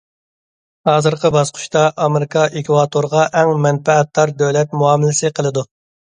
ھازىرقى باسقۇچتا، ئامېرىكا ئېكۋاتورغا ئەڭ مەنپەئەتدار دۆلەت مۇئامىلىسى قىلىدۇ.